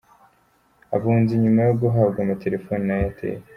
Abunzi nyuma yo guhabwa amaterefone na Airtel.